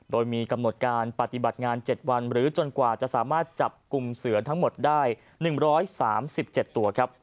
โดยมีกำหนดการปฏิบัติงาน๗วันหรือจนกว่าจะสามารถจับกลุ่มเสือทั้งหมดได้๑๓๗ตัวครับ